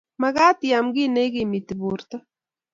magat iam kiy ne ikimiti porto